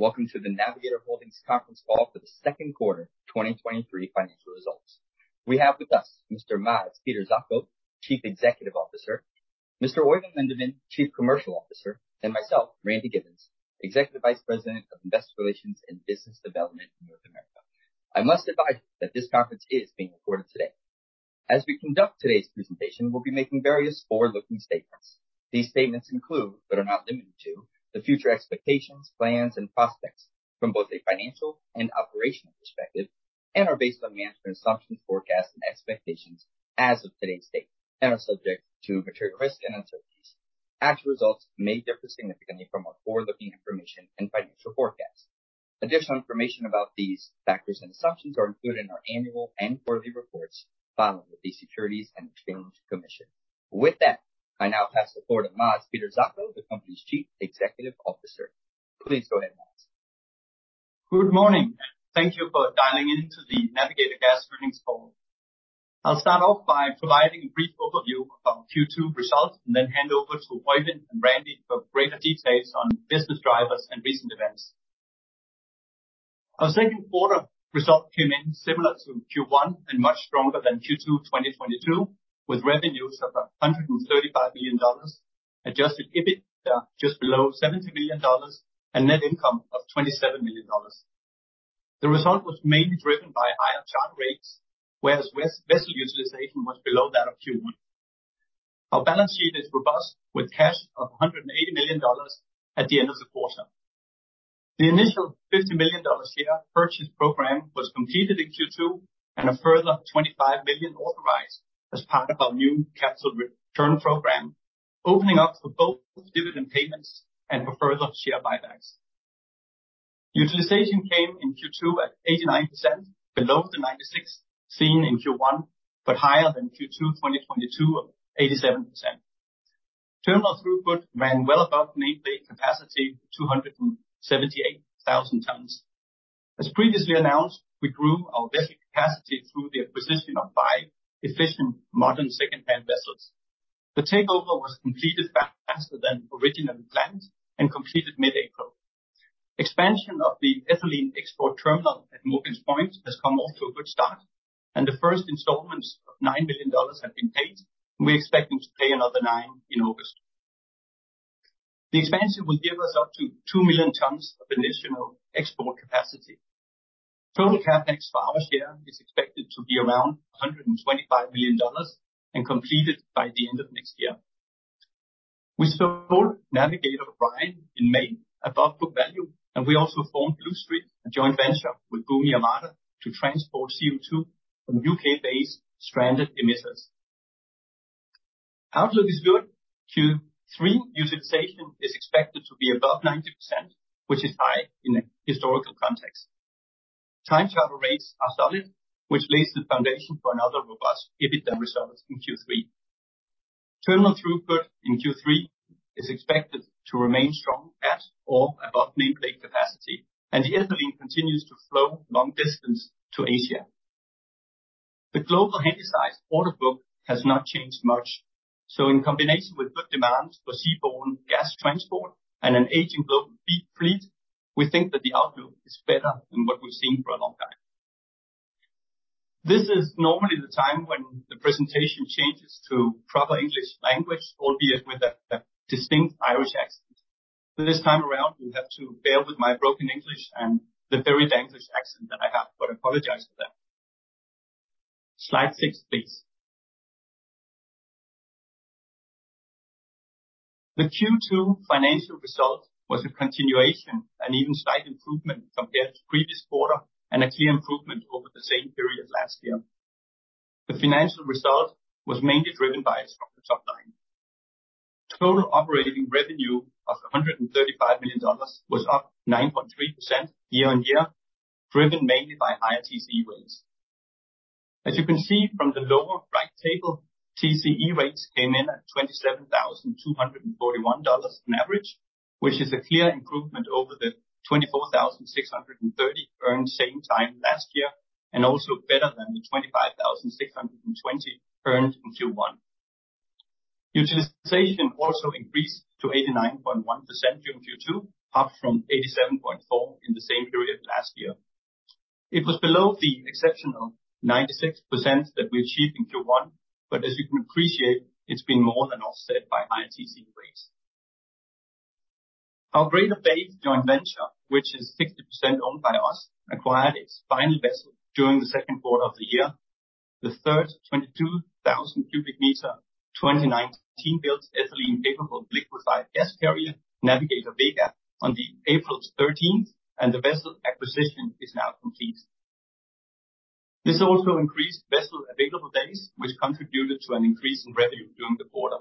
Welcome to the Navigator Holdings Conference Call for the Second Quarter of 2023 Financial Results. We have with us Mr. Mads Peter Zacho, Chief Executive Officer, Mr. Oeyvind Lindeman, Chief Commercial Officer, and myself, Randy Giveans, Executive Vice President of Investor Relations and Business Development in North America. I must advise that this conference is being recorded today. As we conduct today's presentation, we'll be making various forward-looking statements. These statements include, but are not limited to, the future expectations, plans, and prospects from both a financial and operational perspective, and are based on management's assumptions, forecasts and expectations as of today's date, and are subject to material risks and uncertainties. Actual results may differ significantly from our forward-looking information and financial forecasts. Additional information about these factors and assumptions are included in our annual and quarterly reports filed with the Securities and Exchange Commission. With that, I now pass the floor to Mads Peter Zacho, the company's Chief Executive Officer. Please go ahead, Mads. Good morning, thank you for dialing in to the Navigator Gas Holdings call. I'll start off by providing a brief overview of our Q2 results and then hand over to Oeyvind and Randy for greater details on business drivers and recent events. Our second quarter result came in similar to Q1 and much stronger than Q2 2022, with revenues of $135 million, adjusted EBITDA just below $70 million, and net income of $27 million. The result was mainly driven by higher charter rates, whereas vessel utilization was below that of Q1. Our balance sheet is robust, with cash of $180 million at the end of the quarter. The initial $50 million share purchase program was completed in Q2. A further $25 million authorized as part of our new capital return program, opening up for both dividend payments and for further share buybacks. Utilization came in Q2 at 89%, below the 96 seen in Q1, but higher than Q2 2022 of 87%. Terminal throughput ran well above nameplate capacity, 278,000 tons. As previously announced, we grew our vessel capacity through the acquisition of five efficient, modern second-hand vessels. The takeover was completed faster than originally planned and completed mid-April. Expansion of the ethylene export terminal at Morgan's Point has come off to a good start. The first installments of $9 million have been paid, and we're expecting to pay another $9 million in August. The expansion will give us up to 2 million tons of additional export capacity. Total CapEx for our share is expected to be around $125 million and completed by the end of next year. We sold Navigator Orion in May above book value, and we also formed Bluestreak CO2, a joint venture with Bumi Armada to transport CO2 from U.K. based stranded emitters. Outlook is good. Q3 utilization is expected to be above 90%, which is high in a historical context. Time charter rates are solid, which lays the foundation for another robust EBITDA result in Q3. Terminal throughput in Q3 is expected to remain strong, at or above nameplate capacity, and the ethylene continues to flow long distance to Asia. The global handysize order book has not changed much, so in combination with good demands for seaborne gas transport and an aging global fleet, we think that the outlook is better than what we've seen for a long time. This is normally the time when the presentation changes to proper English language, albeit with a distinct Irish accent, but this time around, you have to bear with my broken English and the very dangerous accent that I have, but I apologize for that. Slide six, please. The Q2 financial result was a continuation and even slight improvement compared to the previous quarter and a clear improvement over the same period last year. The financial result was mainly driven by us from the top line. Total operating revenue of $135 million was up 9.3% year-on-year, driven mainly by higher TCE rates. As you can see from the lower right table, TCE rates came in at $27,241 on average, which is a clear improvement over the $24,630 earned same time last year. Also better than the $25,620 earned in Q1. Utilization also increased to 89.1% during Q2, up from 87.4% in the same period last year. It was below the exceptional 96% that we achieved in Q1. As you can appreciate, it's been more than offset by high TCE rates. Our Greater Bay joint venture, which is 60% owned by us, acquired its final vessel during the second quarter of the year. The third 22,000 cu m, 2019-built ethylene capable liquefied gas carrier, Navigator Vega, on the April 13. The vessel acquisition is now complete. This also increased vessel available days, which contributed to an increase in revenue during the quarter.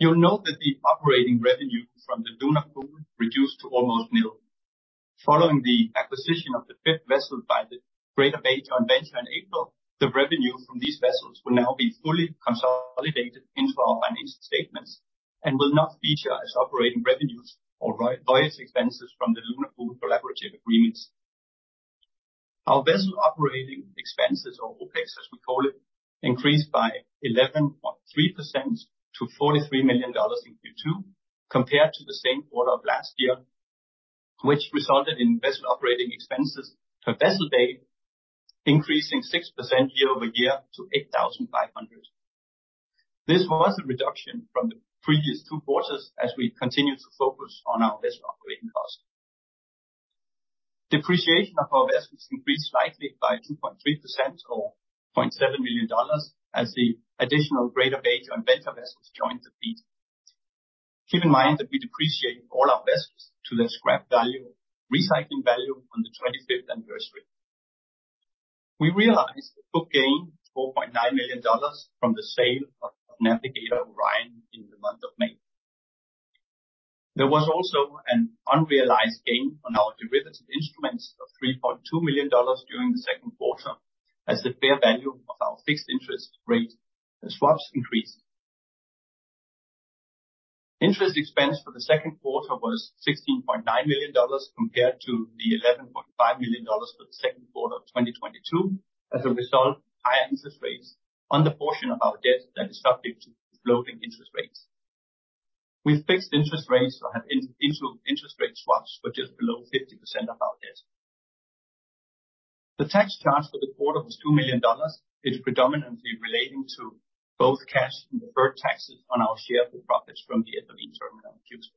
You'll note that the operating revenue from the Luna Pool reduced to almost nil. Following the acquisition of the fifth vessel by the Greater Bay joint venture in April, the revenue from these vessels will now be fully consolidated into our financial statements and will not feature as operating revenues or lease expenses from the Luna Pool collaborative agreements. Our vessel operating expenses, or OpEx, as we call it, increased by 11.3% to $43 million in Q2, compared to the same quarter of last year, which resulted in vessel operating expenses per vessel day, increasing 6% year-over-year to $8,500. This was a reduction from the previous two quarters as we continued to focus on our vessel operating costs. Depreciation of our vessels increased slightly by 2.3%, or $0.7 million, as the additional Greater Bay and Vega vessels joined the fleet. Keep in mind that we depreciate all our vessels to their scrap value, recycling value on the 25th anniversary. We realized a book gain of $4.9 million from the sale of Navigator Orion in the month of May. There was also an unrealized gain on our derivative instruments of $3.2 million during the second quarter, as the fair value of our fixed interest rate and swaps increased. Interest expense for the second quarter was $16.9 million, compared to the $11.5 million for the second quarter of 2022. As a result, higher interest rates on the portion of our debt that is subject to floating interest rates. We fixed interest rates or have into interest rate swaps, for just below 50% of our debt. The tax charge for the quarter was $2 million, predominantly relating to both cash and deferred taxes on our share of the profits from the ethylene terminal in Houston.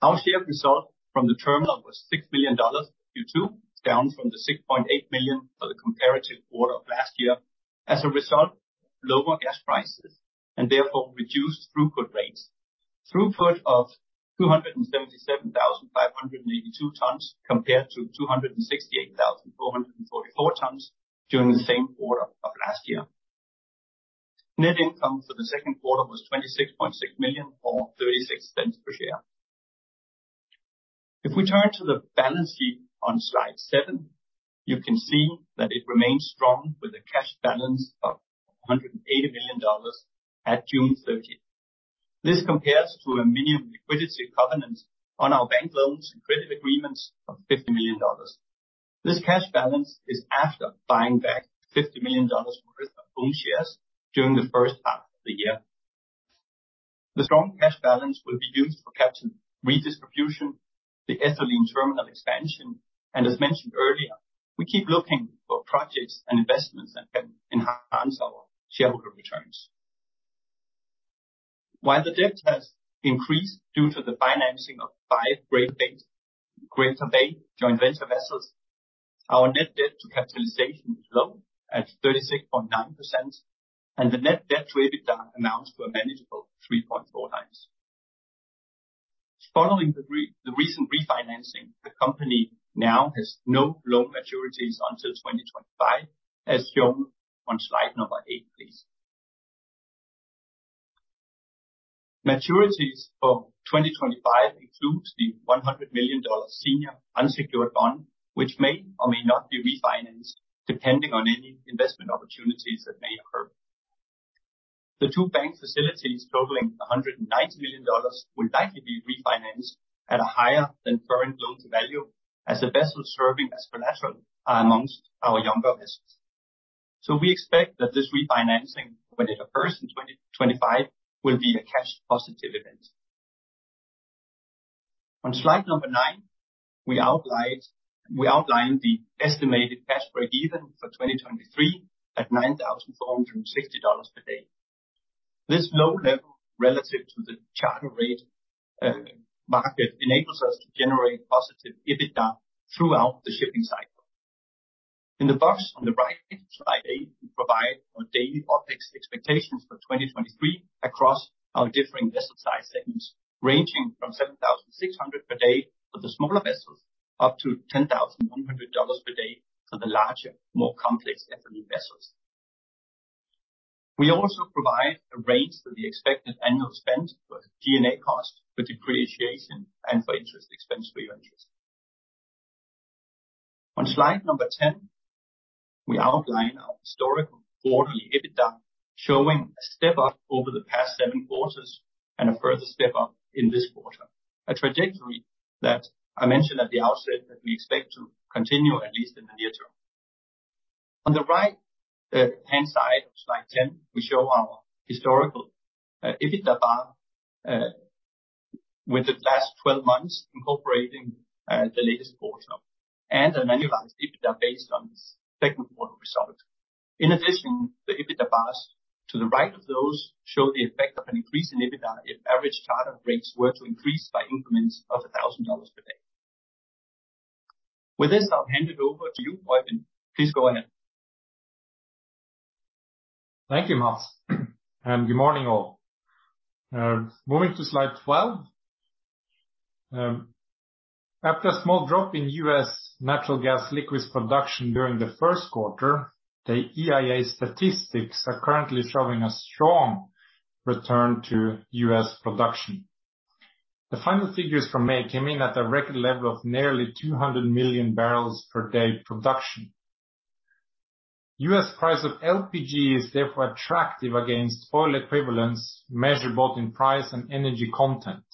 Our share result from the terminal was $6 million, Q2, down from the $6.8 million for the comparative quarter of last year. As a result, lower gas prices and therefore reduced throughput rates. Throughput of 277,582 tons compared to 268,444 tons during the same quarter of last year. Net income for the second quarter was $26.6 million, or $0.36 per share. If we turn to the balance sheet on slide seven, you can see that it remains strong, with a cash balance of $180 million at June 30. This compares to a minimum liquidity covenant on our bank loans and credit agreements of $50 million. This cash balance is after buying back $50 million worth of own shares during the first half of the year. The strong cash balance will be used for capital redistribution, the ethylene terminal expansion, and as mentioned earlier, we keep looking for projects and investments that can enhance our shareholder returns. While the debt has increased due to the financing of five Greater Bay joint venture vessels, our net debt to capitalization is low at 36.9%, and the net debt to EBITDA amounts to a manageable 3.4 times. Following the recent refinancing, the company now has no loan maturities until 2025, as shown on slide number eight, please. Maturities for 2025 includes the $100 million senior unsecured bond, which may or may not be refinanced, depending on any investment opportunities that may occur. The two bank facilities, totaling $190 million, will likely be refinanced at a higher than current loan-to-value, as the vessels serving as collateral are amongst our younger vessels. We expect that this refinancing, when it occurs in 2025, will be a cash positive event. On slide nine, we outline the estimated cash break-even for 2023 at $9,460 per day. This low level, relative to the charter rate market, enables us to generate positive EBITDA throughout the shipping cycle. In the box on the right side, eight, we provide our daily OpEx expectations for 2023 across our differing vessel size segments, ranging from $7,600 per day for the smaller vessels, up to $10,100 per day for the larger, more complex ethylene vessels. We also provide a range for the expected annual spend for G&A costs, for depreciation, and for interest expense reimbursements. On slide 10, we outline our historical quarterly EBITDA, showing a step up over the past seven quarters and a further step up in this quarter. A trajectory that I mentioned at the outset, that we expect to continue, at least in the near term. On the right hand side of slide 10, we show our historical EBITDA bar, with the last 12 months, incorporating the latest quarter, and an annualized EBITDA based on second quarter results. In addition, the EBITDA bars to the right of those show the effect of an increase in EBITDA if average charter rates were to increase by increments of $1,000 per day. With this, I'll hand it over to you, Oeyvind. Please go ahead. Thank you, Mads, and good morning, all. Moving to slide 12. After a small drop in U.S. natural gas liquids production during the first quarter, the EIA statistics are currently showing a strong return to U.S. production. The final figures from May came in at a record level of nearly 200 million barrels per day production. U.S. price of LPG is therefore attractive against oil equivalents, measured both in price and energy content.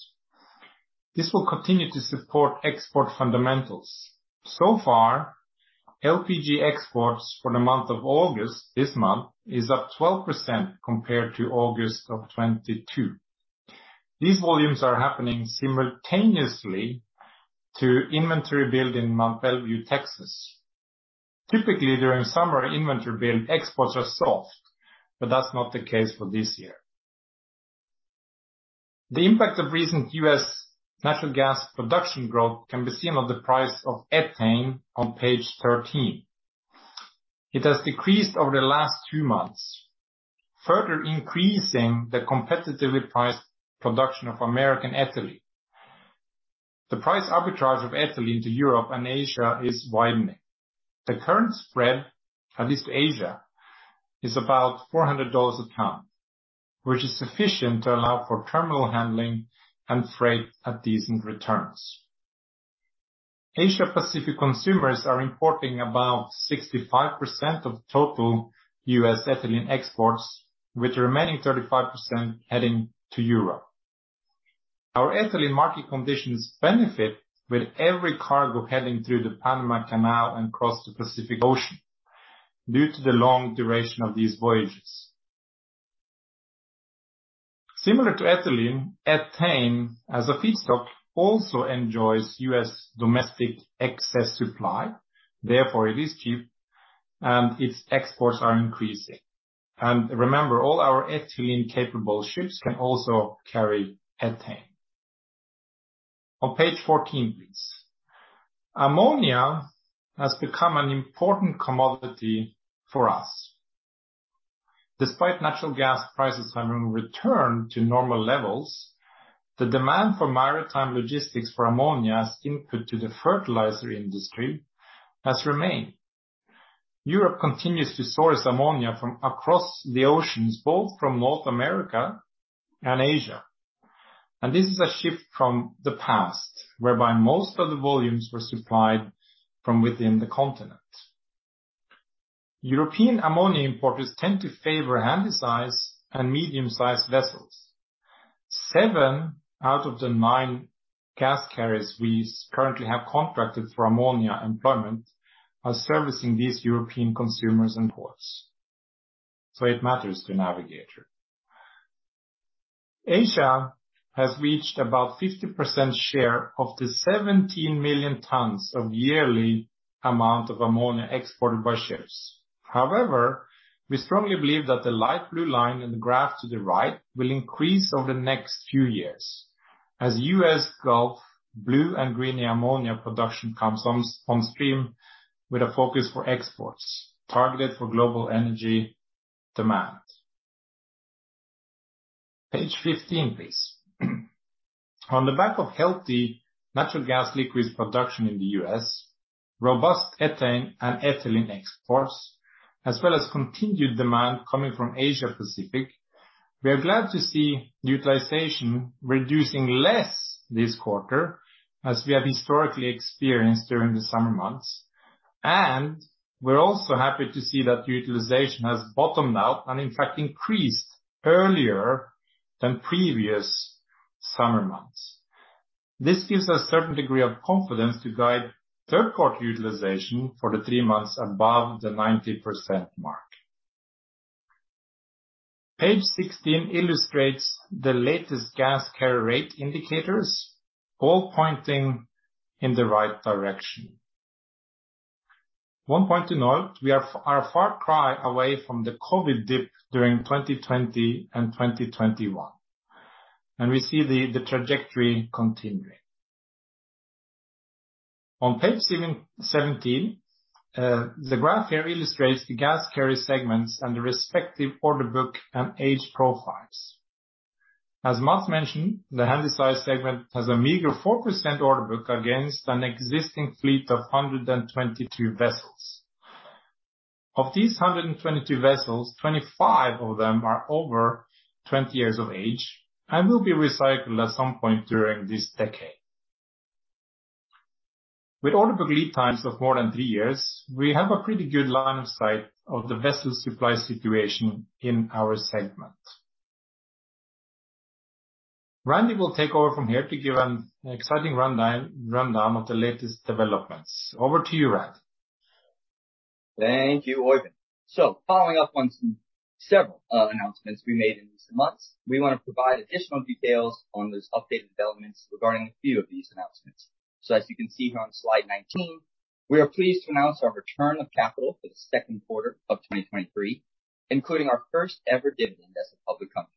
This will continue to support export fundamentals. So far, LPG exports for the month of August, this month, is up 12% compared to August of 2022. These volumes are happening simultaneously to inventory build in Mont Belvieu, Texas. Typically, during summer inventory build, exports are soft, but that's not the case for this year. The impact of recent U.S. natural gas production growth can be seen on the price of ethane on page 13. It has decreased over the last two months, further increasing the competitively priced production of American ethylene. The price arbitrage of ethylene to Europe and Asia is widening. The current spread, at least Asia, is about $400 a ton, which is sufficient to allow for terminal handling and freight at decent returns. Asia Pacific consumers are importing about 65% of total U.S. ethylene exports, with the remaining 35% heading to Europe. Our ethylene market conditions benefit with every cargo heading through the Panama Canal and across the Pacific Ocean, due to the long duration of these voyages. Similar to ethylene, ethane, as a feedstock, also enjoys U.S. domestic excess supply. Therefore, it is cheap, and its exports are increasing. Remember, all our ethylene-capable ships can also carry ethane. On page 14, please. Ammonia has become an important commodity for us. Despite natural gas prices having returned to normal levels, the demand for maritime logistics for ammonia as input to the fertilizer industry has remained. Europe continues to source ammonia from across the oceans, both from North America and Asia, and this is a shift from the past, whereby most of the volumes were supplied from within the continent. European ammonia importers tend to favor handysize and medium-sized vessels. Seven out of the nine gas carriers we currently have contracted for ammonia employment are servicing these European consumers and ports. It matters to Navigator. Asia has reached about 50% share of the 17 million tons of yearly amount of ammonia exported by ships. However, we strongly believe that the light blue line in the graph to the right will increase over the next few years as U.S. Gulf blue and green ammonia production comes on, on stream with a focus for exports targeted for global energy demand. Page 15, please. On the back of healthy natural gas liquids production in the U.S., robust ethane and ethylene exports, as well as continued demand coming from Asia Pacific, we are glad to see utilization reducing less this quarter, as we have historically experienced during the summer months. We're also happy to see that the utilization has bottomed out and in fact increased earlier than previous summer months. This gives us a certain degree of confidence to guide third quarter utilization for the three months above the 90% mark. Page 16 illustrates the latest gas carrier rate indicators, all pointing in the right direction. One point to note, we are a far cry away from the COVID dip during 2020 and 2021, and we see the, the trajectory continuing. On page 17, the graph here illustrates the gas carrier segments and the respective order book and age profiles. As Mads mentioned, the handysize segment has a meager 4% order book against an existing fleet of 122 vessels. Of these 122 vessels, 25 of them are over 20 years of age and will be recycled at some point during this decade. With order delivery times of more than three years, we have a pretty good line of sight of the vessel supply situation in our segment. Randy will take over from here to give an exciting rundown, rundown of the latest developments. Over to you, Randy. Thank you, Oeyvind. Following up on some several announcements we made in recent months, we want to provide additional details on those updated developments regarding a few of these announcements. As you can see here on slide 19, we are pleased to announce our return of capital for the second quarter of 2023, including our first ever dividend as a public company.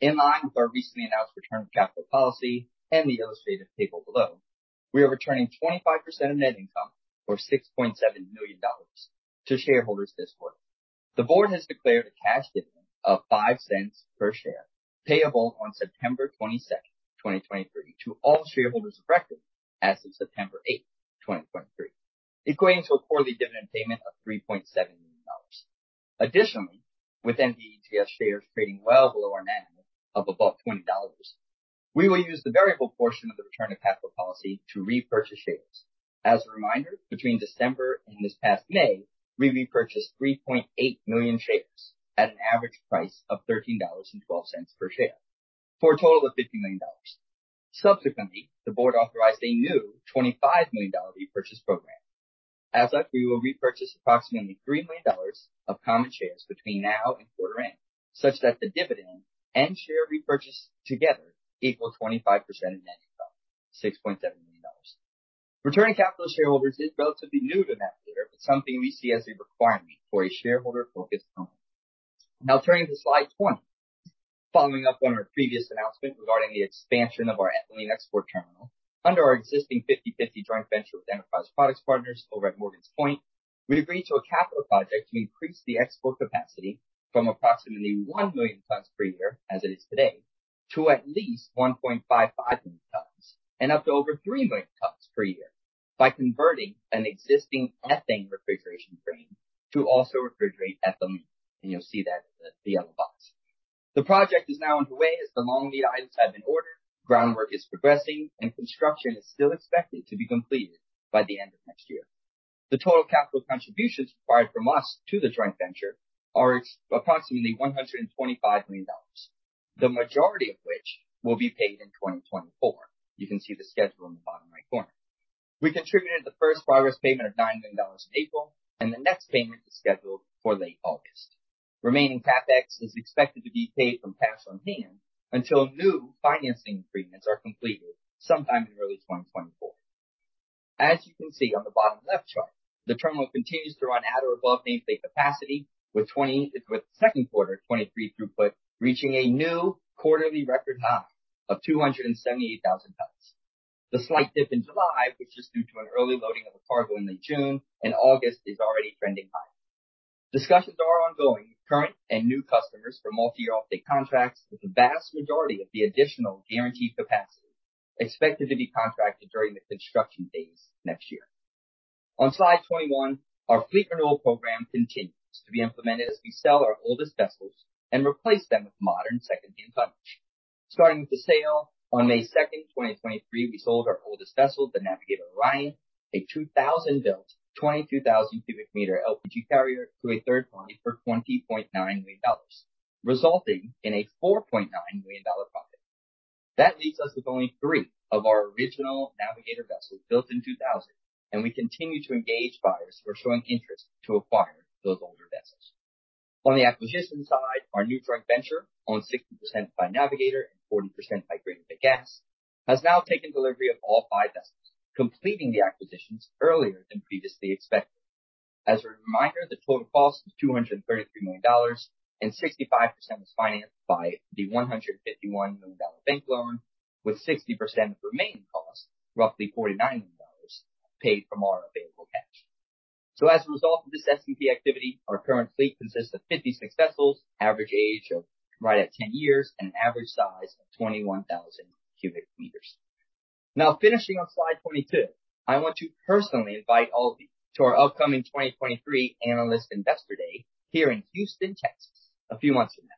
In line with our recently announced return of capital policy and the illustrated table below, we are returning 25% of net income, or $6.7 million to shareholders this quarter. The board has declared a cash dividend of $0.05 per share, payable on September 22nd, 2023, to all shareholders of record as of September 8, 2023, equating to a quarterly dividend payment of $3.7 million. Additionally, with NVGS shares trading well below our net of above $20, we will use the variable portion of the return of capital policy to repurchase shares. As a reminder, between December and this past May, we repurchased 3.8 million shares at an average price of $13.12 per share, for a total of $50 million. Subsequently, the board authorized a new $25 million repurchase program. As such, we will repurchase approximately $3 million of common shares between now and quarter end, such that the dividend and share repurchase together equal 25% of net income, $6.7 million. Returning capital to shareholders is relatively new to Navigator, but something we see as a requirement for a shareholder-focused company. Now turning to slide 20. Following up on our previous announcement regarding the expansion of our ethylene export terminal. Under our existing 50/50 joint venture with Enterprise Products Partners over at Morgan's Point, we agreed to a capital project to increase the export capacity from approximately 1 million tons per year, as it is today, to at least 1.55 million tons and up to over 3 million tons per year by converting an existing ethane refrigeration train to also refrigerate ethylene. You'll see that in the yellow box. The project is now underway as the long lead items have been ordered, groundwork is progressing, and construction is still expected to be completed by the end of next year. The total capital contributions required from us to the joint venture are approximately $125 million, the majority of which will be paid in 2024. You can see the schedule in the bottom right corner. We contributed the first progress payment of $9 million in April. The next payment is scheduled for late August. Remaining CapEx is expected to be paid from cash on hand until new financing agreements are completed sometime in early 2024. As you can see on the bottom left chart, the terminal continues to run at or above nameplate capacity, with 20, with second quarter 2023 throughput, reaching a new quarterly record high of 278,000 tons. The slight dip in July was just due to an early loading of a cargo in late June. August is already trending higher. Discussions are ongoing with current and new customers for multi-year offtake contracts, with the vast majority of the additional guaranteed capacity expected to be contracted during the construction phase next year. On slide 21, our fleet renewal program continues to be implemented as we sell our oldest vessels and replace them with modern secondhand tonnage. Starting with the sale, on May 2nd, 2023, we sold our oldest vessel, the Navigator Orion, a 2000-built, 22,000 cu m LPG carrier, to a third party for $20.9 million, resulting in a $4.9 million profit. That leaves us with only three of our original Navigator vessels built in 2000, and we continue to engage buyers who are showing interest to acquire those older vessels. On the acquisition side, our new joint venture, owned 60% by Navigator and 40% by Greater Bay Gas, has now taken delivery of all five vessels, completing the acquisitions earlier than previously expected. As a reminder, the total cost is $233 million, and 65% was financed by the $151 million bank loan, with 60% of the remaining cost, roughly $49 million, paid from our available cash. As a result of this S&P activity, our current fleet consists of 56 vessels, average age of right at 10 years, and an average size of 21,000 cbm. Finishing on slide 22, I want to personally invite all of you to our upcoming 2023 Analyst Investor Day here in Houston, Texas, a few months from now.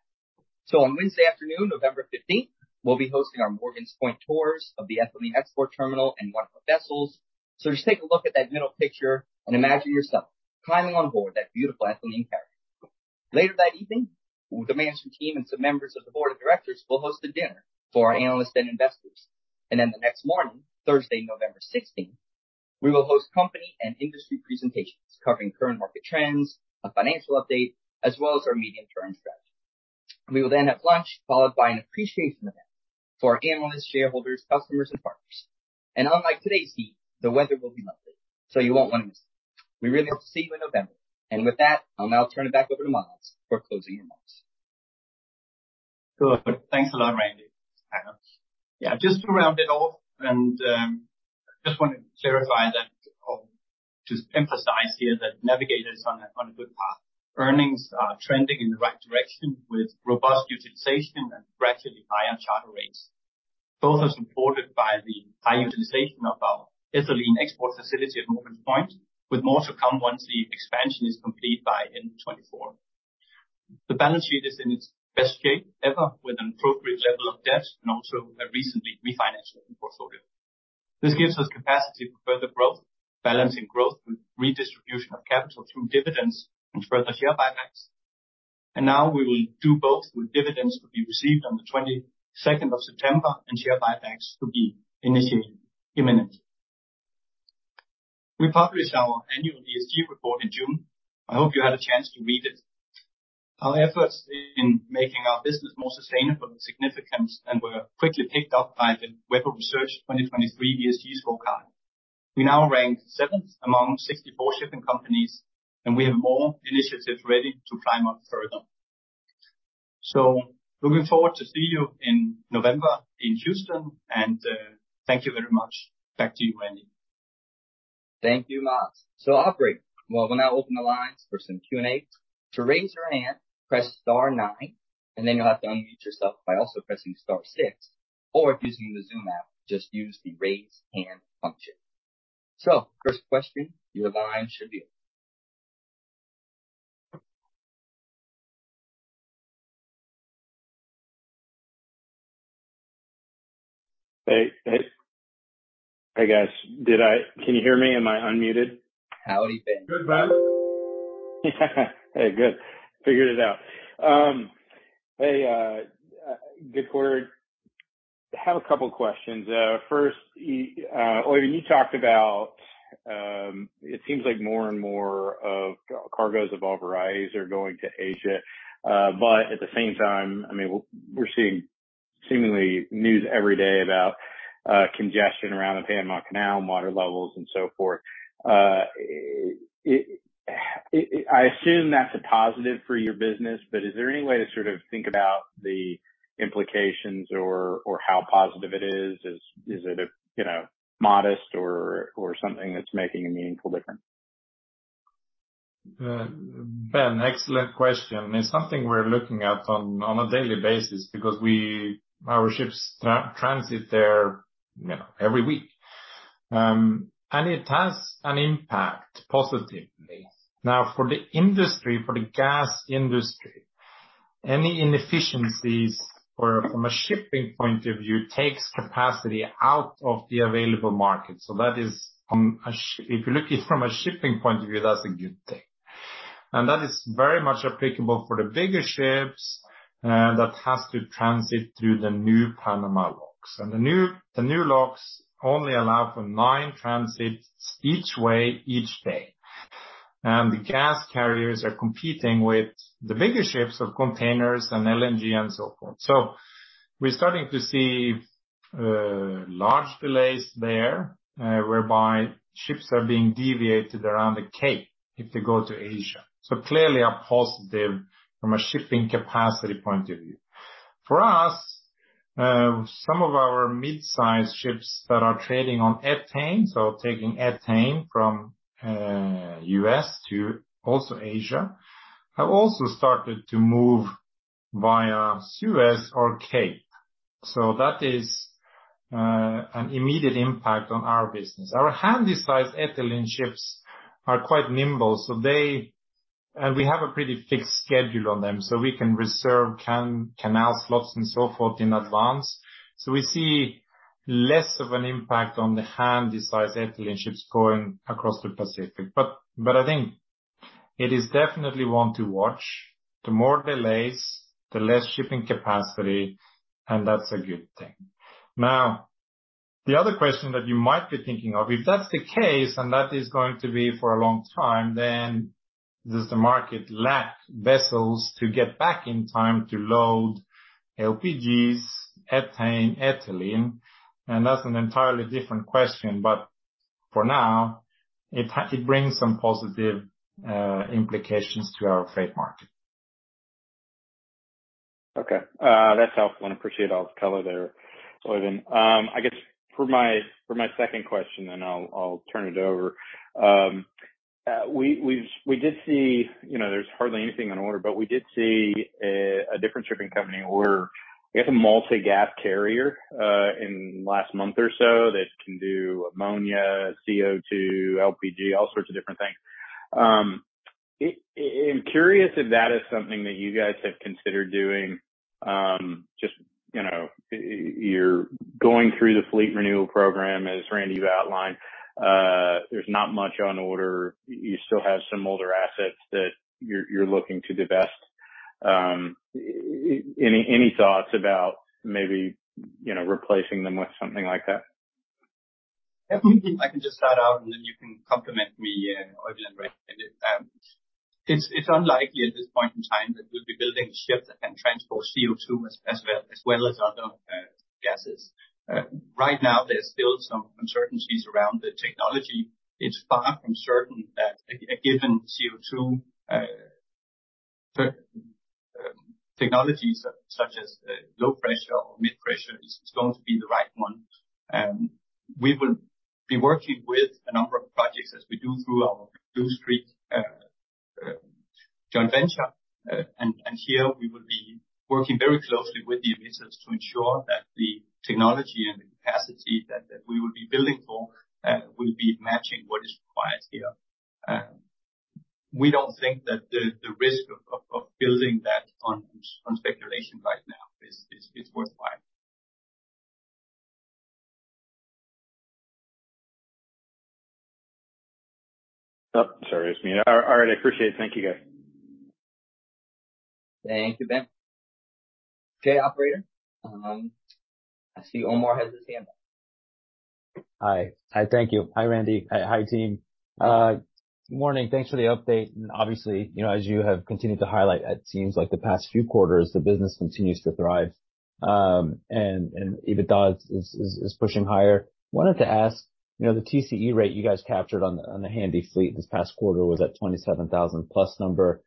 On Wednesday afternoon, November 15th, we'll be hosting our Morgan's Point tours of the ethylene export terminal and one of our vessels. Just take a look at that middle picture and imagine yourself climbing on board that beautiful ethylene carrier. Later that evening, the management team and some members of the board of directors will host a dinner for our analysts and investors. The next morning, Thursday, November 16th, we will host company and industry presentations covering current market trends, a financial update, as well as our medium-term strategy. We will then have lunch, followed by an appreciation event for our analysts, shareholders, customers, and partners. Unlike today's heat, the weather will be lovely, so you won't want to miss it. We really hope to see you in November. With that, I'll now turn it back over to Mads for closing remarks. Good. Thanks a lot, Randy. Yeah, just to round it off, and just want to clarify that or just emphasize here that Navigator is on a, on a good path. Earnings are trending in the right direction, with robust utilization and gradually higher charter rates. Both are supported by the high utilization of our ethylene export facility at Morgan's Point, with more to come once the expansion is complete by end of 2024. The balance sheet is in its best shape ever, with an appropriate level of debt and also a recently refinancing portfolio. This gives us capacity for further growth, balancing growth with redistribution of capital through dividends and further share buybacks. Now we will do both, with dividends to be received on the 22nd of September and share buybacks to be initiated imminently. We published our annual ESG report in June. I hope you had a chance to read it. Our efforts in making our business more sustainable are significant and were quickly picked up by the Webber Research 2023 ESG Scorecard. We now rank seventh among 64 shipping companies, and we have more initiatives ready to climb up further. Looking forward to see you in November in Houston, and, thank you very much. Back to you, Randy. Thank you, Mads. Operator, we'll now open the lines for some Q&A. To raise your hand, press star nine, and then you'll have to unmute yourself by also pressing star six, or if using the Zoom app, just use the Raise Hand function.... First question, you know, I should be. Hey, hey. Hi, guys. Can you hear me? Am I unmuted? Howdy, Ben. Good, Ben. Hey, good. Figured it out. Hey, good quarter. Have a couple questions. First, you, when you talked about, it seems like more and more of cargoes of all varieties are going to Asia. At the same time, I mean, we're, we're seeing seemingly news every day about, congestion around the Panama Canal and water levels and so forth. It, it, I assume that's a positive for your business, but is there any way to sort of think about the implications or, or how positive it is? Is, is it a, you know, modest or, or something that's making a meaningful difference? Ben, excellent question. It's something we're looking at on a daily basis because our ships transit there, you know, every week. It has an impact, positively. Now, for the industry, for the gas industry, any inefficiencies or from a shipping point of view, takes capacity out of the available market. That is if you look it from a shipping point of view, that's a good thing. That is very much applicable for the bigger ships that has to transit through the new Panama locks. The new, the new locks only allow for nine transits each way, each day. The gas carriers are competing with the bigger ships of containers and LNG and so forth. We're starting to see large delays there, whereby ships are being deviated around the Cape if they go to Asia. Clearly a positive from a shipping capacity point of view. For us, some of our mid-sized ships that are trading on ethane, so taking ethane from U.S. to also Asia, have also started to move via Suez or Cape, so that is an immediate impact on our business. Our handy-sized ethylene ships are quite nimble, so they... We have a pretty fixed schedule on them, so we can reserve canal slots and so forth in advance. We see less of an impact on the handysized ethylene ships going across the Pacific. But I think it is definitely one to watch. The more delays, the less shipping capacity, and that's a good thing. The other question that you might be thinking of, if that's the case, and that is going to be for a long time, then does the market lack vessels to get back in time to load LPGs, ethane, ethylene? That's an entirely different question, but for now, it brings some positive implications to our freight market. Okay. That's helpful, and I appreciate all the color there, Oeyvind. I guess for my, for my second question, then I'll, I'll turn it over. We, we, we did see, you know, there's hardly anything on order, but we did see a, a different shipping company order, I guess, a multi-gas carrier in last month or so that can do ammonia, CO2, LPG, all sorts of different things. I, I'm curious if that is something that you guys have considered doing. Just, you know, you're going through the fleet renewal program as, Randy, you've outlined. There's not much on order. You still have some older assets that you're, you're looking to divest. Any, any thoughts about maybe, you know, replacing them with something like that? Yeah, I can just start out, and then you can complement me, Oeyvind, right? It's unlikely at this point in time that we'll be building a ship that can transport CO2 as well, as well as other, gases. Right now, there's still some uncertainties around the technology. It's far from certain that a given CO2, technologies such as low pressure or mid pressure is going to be the right one. We will be working with a number of projects, as we do through our Bluestreak joint venture. Here, we will be working very closely with the emitters to ensure that the technology and the capacity that we will be building for, will be matching what is required here. We don't think that the, the risk of, of, of building that on, on speculation right now is, is, is worthwhile. Oh, sorry. All right, I appreciate it. Thank you, guys. Thank you, Ben. Okay, operator, I see Omar has his hand up. Hi. Hi, thank you. Hi, Randy. Hi, hi, team. Morning. Thanks for the update. Obviously, you know, as you have continued to highlight, it seems like the past few quarters, the business continues to thrive, and EBITDA is pushing higher. Wanted to ask, you know, the TCE rate you guys captured on the handy fleet this past quarter was at $27,000+ number,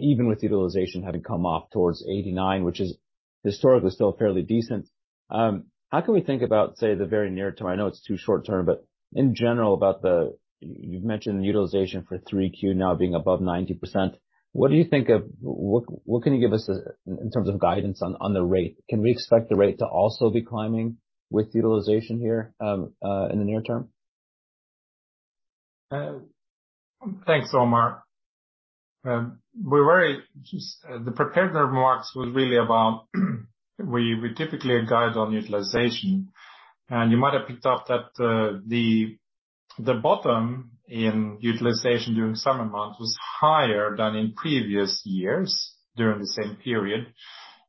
even with utilization having come off towards 89%, which is historically still fairly decent. How can we think about, say, the very near term? I know it's too short term, but in general, about the You've mentioned the utilization for 3Q now being above 90%. What can you give us in terms of guidance on the rate? Can we expect the rate to also be climbing with utilization here, in the near term? Thanks, Omar. We're very, the prepared remarks was really about we, we typically guide on utilization. You might have picked up that the, the bottom in utilization during summer months was higher than in previous years during the same period,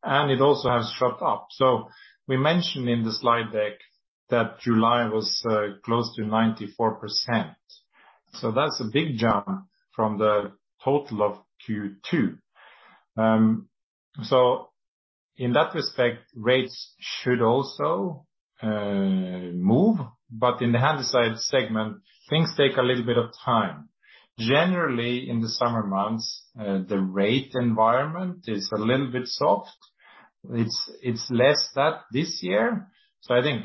and it also has shot up. We mentioned in the slide deck that July was close to 94%. That's a big jump from the total of Q2. In that respect, rates should also move, but in the Handysize segment, things take a little bit of time. Generally, in the summer months, the rate environment is a little bit soft. It's, it's less that this year. I think,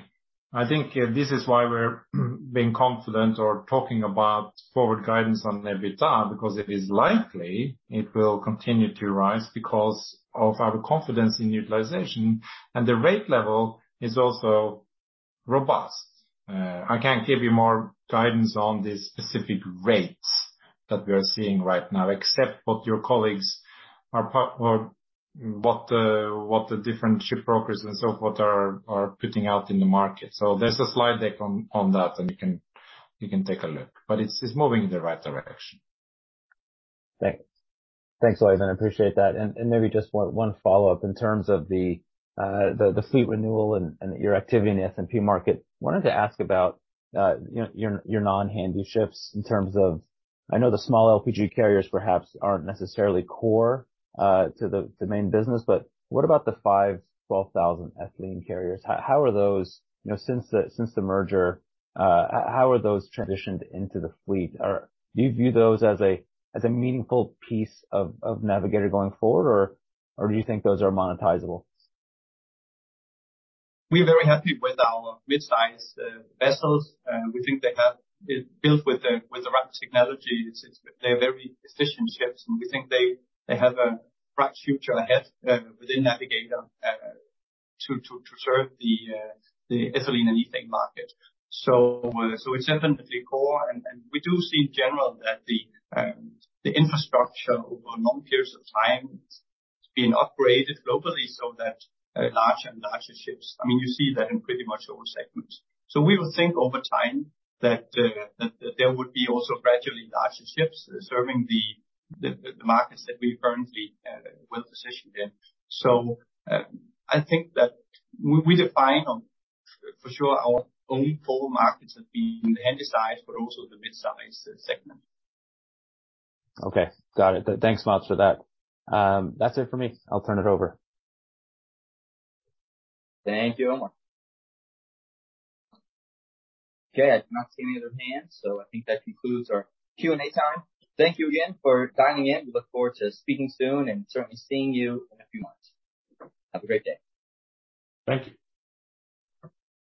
I think this is why we're being confident or talking about forward guidance on EBITDA, because it is likely it will continue to rise because of our confidence in utilization, and the rate level is also robust. I can't give you more guidance on the specific rates that we are seeing right now, except what your colleagues are or what the, what the different shipbrokers and so forth are, are putting out in the market. There's a slide deck on, on that, and you can, you can take a look, but it's, it's moving in the right direction. Thanks. Thanks, Oeyvind. I appreciate that. Maybe just one, one follow-up in terms of the, the, the fleet renewal and, and your activity in the S&P market. Wanted to ask about, you know, your, your non-handy ships in terms of... I know the small LPG carriers perhaps aren't necessarily core, to the, the main business, but what about the five, 12,000 ethylene carriers? How, how are those, you know, since the, since the merger, how, how are those transitioned into the fleet? Do you view those as a, as a meaningful piece of, of Navigator going forward, or, or do you think those are monetizable? We're very happy with our mid-sized vessels. We think they have been built with the, with the right technology. They're very efficient ships, and we think they, they have a bright future ahead within Navigator to, to, to serve the, the ethylene and ethane market. So it's definitely core. And we do see in general that the infrastructure over long periods of time is being upgraded globally, so that larger and larger ships, I mean, you see that in pretty much all segments. We would think over time that, that, that there would be also gradually larger ships serving the, the, the markets that we currently well positioned in. I think that we define on, for sure, our own core markets have been the handysize, but also the mid-sized segment. Okay, got it. Thanks a lot for that. That's it for me. I'll turn it over. Thank you, Omar. Okay, I do not see any other hands, so I think that concludes our Q&A time. Thank you again for dialing in. We look forward to speaking soon and certainly seeing you in a few months. Have a great day. Thank you.